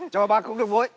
chào bác cũng được vui